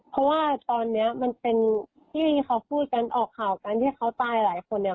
เพราะว่าตอนนี้มันเป็นที่เขาพูดกันออกข่าวกันที่เขาตายหลายคนเนี่ย